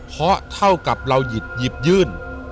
เพราะเท่ากับเราหยิบยื่น